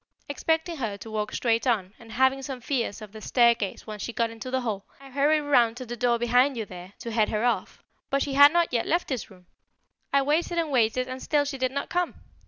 Expecting her to walk straight on, and having some fears of the staircase once she got into the hall, I hurried around to the door behind you there to head her off. But she had not yet left this room. I waited and waited and still she did not come.